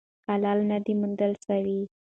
حل لا نه دی موندل سوی.